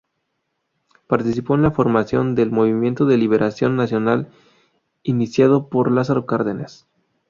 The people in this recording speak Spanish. Participó en la formación del Movimiento de Liberación Nacional iniciado por Lázaro Cárdenas.